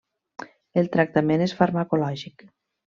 El tractament és farmacològic.